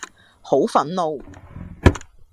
好憤怒